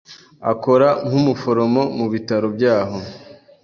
Akora nk'umuforomo mu bitaro byaho.